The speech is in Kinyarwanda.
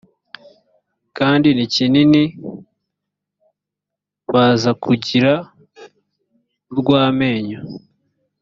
kandi ni kinini bazakugira urw amenyo